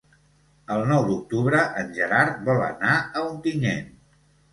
El nou d'octubre en Gerard vol anar a Ontinyent.